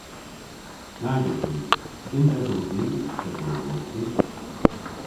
Nag esons. Nyns esons i y'n stevel-omwolghi.